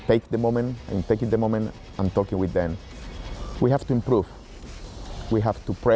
เราต้องขอบคุณเราต้องการการก่อน